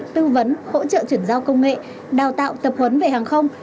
tư vấn hỗ trợ chuyển giao công nghệ đào tạo tập huấn về hàng không